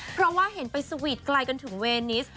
เพราะว่าเห็นไปสวีทไกลกันถึงเวนิส